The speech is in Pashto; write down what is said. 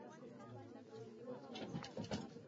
د خسرګنۍ احترام کول پکار دي.